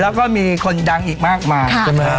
แล้วก็มีคนดังอีกมากมาย